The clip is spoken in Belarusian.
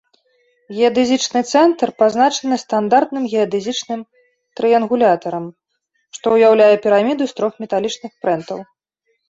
Геадэзічны цэнтр пазначаны стандартным геадэзічным трыянгулятарам, што ўяўляе піраміду з трох металічных прэнтаў.